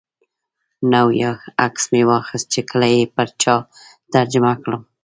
نو یو عکس مې واخیست چې کله یې پر چا ترجمه کړم.